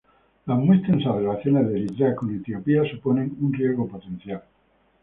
Las muy tensas relaciones de Eritrea con Etiopía suponen un riesgo potencial.